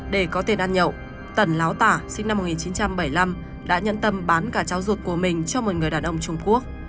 để có tiền ăn nhậu tần láo tả sinh năm một nghìn chín trăm bảy mươi năm đã nhận tâm bán cả cháu ruột của mình cho một người đàn ông trung quốc